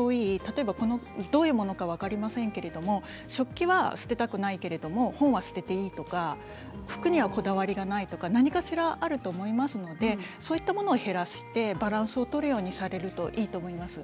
例えばどういうものか分かりませんが食器は捨てたくないけど本は捨てていいとか服にはこだわりがないとか何かしらあると思いますのでそういう物を減らしてバランスを取るようにされるといいと思います。